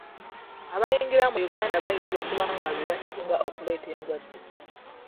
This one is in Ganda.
Abayingira mu Uganda bayinza okuba nga be basinga okuleeta endwadde.